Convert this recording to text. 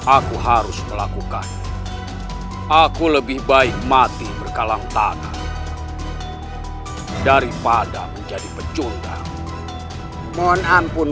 aku harus melakukan aku lebih baik mati berkalang tangan daripada menjadi pecundang mohon ampun